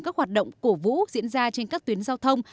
các hoạt động cổ vũ diễn ra trên các tuyến giao thông